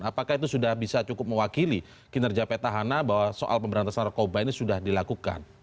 apakah itu sudah bisa cukup mewakili kinerja petahana bahwa soal pemberantasan narkoba ini sudah dilakukan